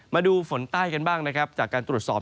มาดูฝนใต้กันบ้างจากการตรวจสอบ